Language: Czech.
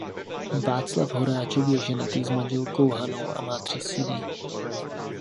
Václav Horáček je ženatý s manželkou Hanou a má tři syny.